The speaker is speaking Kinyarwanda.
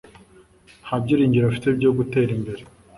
Nta byiringiro afite byo gutera imbere